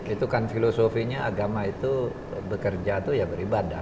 itu kan filosofinya agama itu bekerja itu ya beribadah